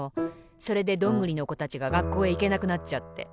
それでどんぐりのこたちががっこうへいけなくなっちゃって。